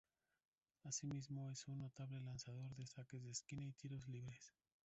Asimismo, es un notable lanzador de saques de esquina y tiros libres.